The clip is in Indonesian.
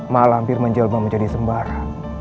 mak lampir menjelma menjadi sembara